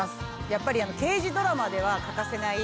やっぱり刑事ドラマでは欠かせない。